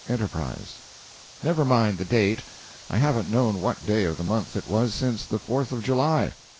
ENTERPRISE: Never mind the date—I haven't known what day of the month it was since the fourth of July.